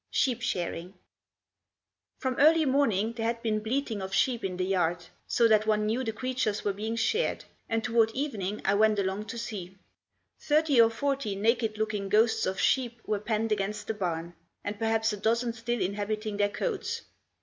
SHEEP SHEARING From early morning there had been bleating of sheep in the yard, so that one knew the creatures were being sheared, and toward evening I went along to see. Thirty or forty naked looking ghosts of sheep were penned against the barn, and perhaps a dozen still inhabiting their coats.